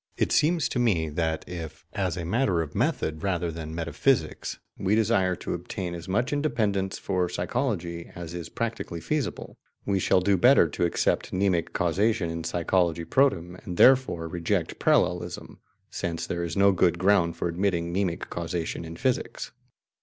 It seems to me that if, as a matter of method rather than metaphysics, we desire to obtain as much independence for psychology as is practically feasible, we shall do better to accept mnemic causation in psychology protem, and therefore reject parallelism, since there is no good ground for admitting mnemic causation in physics.